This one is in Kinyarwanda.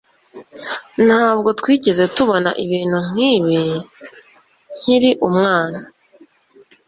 Ntabwo twigeze tubona ibintu nkibi nkiri umwana